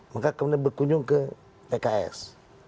maka kemudian berkunjung ke pks